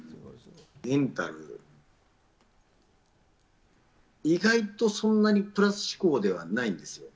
メンタル、意外とそんなにプラス思考ではないんですよ。